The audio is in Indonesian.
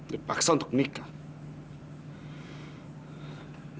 dia paksa untuk menikah